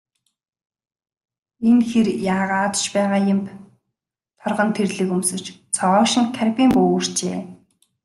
Энэ хэр яагаад ч юм бэ, торгон тэрлэг өмсөж, цоо шинэ карбин буу үүрчээ.